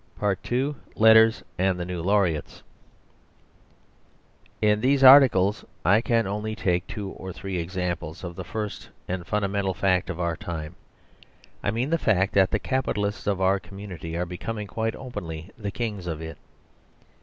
II. Letters and the New Laureates In these articles I only take two or three examples of the first and fundamental fact of our time. I mean the fact that the capitalists of our community are becoming quite openly the kings of it.